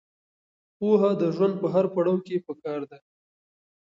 پوهه د ژوند په هر پړاو کې پکار ده.